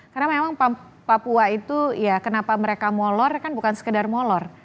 karena memang papua itu ya kenapa mereka molor kan bukan sekedar molor